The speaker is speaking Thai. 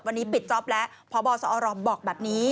วันนี้ปิดจ๊อปแล้วพบสอรบอกแบบนี้